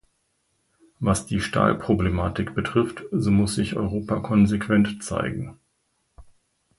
Was die Stahlproblematik betrifft, so muss sich Europa konsequent zeigen.